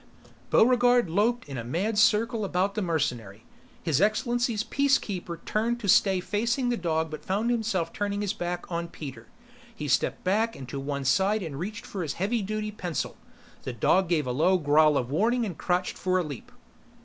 Buregarde loped in a mad circle around the mercenary. His Excellency's Peacekeeper turned to stay facing the dog but found himself turning his back on Peter. He stepped back and to one side and reached for his heavy duty pencil the dog gave a low growl of warning and crouched for a leap.